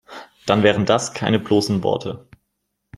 Dann wären das keine bloßen Worte.